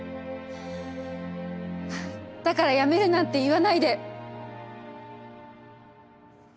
だからやめるなんて言わないで。